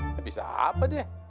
tapi siapa deh